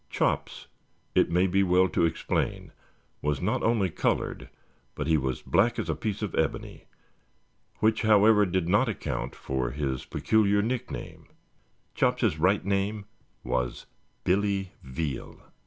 "Chops," it may be well to explain, was not only colored, but he was black as a piece of ebony, which, however, did not account for his peculiar nickname. Chops's right name was Billy Veal.